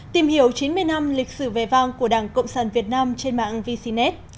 tìm hiểu chín mươi năm lịch sử vẻ vang của đảng cộng sản việt nam trên mạng vcnet